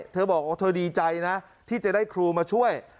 เธอบอกว่าเธอดีใจนะที่จะได้ครูมาช่วย